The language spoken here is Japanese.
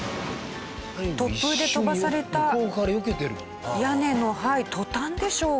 突風で飛ばされた屋根のトタンでしょうか？